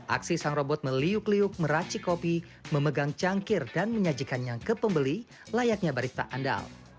aksi sang robot meliuk liuk meracik kopi memegang cangkir dan menyajikannya ke pembeli layaknya barista andal